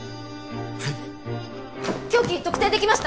凶器特定できました！